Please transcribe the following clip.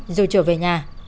rồi trở về nhà